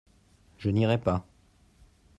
Je n'irai pas.